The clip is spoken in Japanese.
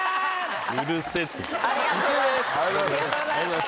ありがとうございます。